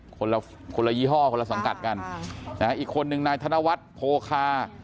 คนละคนละยี่ห้อคนละสังกัดกันอีกคนนึงนายธนวัฒน์โพคา